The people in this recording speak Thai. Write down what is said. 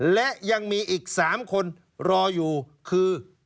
และยังมีอีก๓คนรออยู่คือ